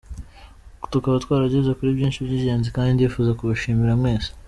Tukaba twarageze kuri byinshi by'igenzi, kandi ndifuza kubashimira mwese.